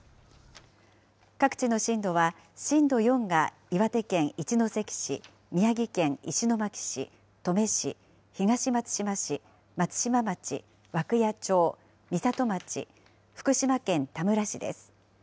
各地の震度は震度４が岩手県一関市、宮城県石巻市、登米市、東松島市、松島町、涌谷町、美里町、福島県田村市です。